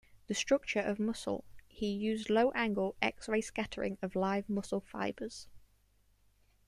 The Structure of Muscle, he used low-angle, X-ray scattering of live muscle fibers.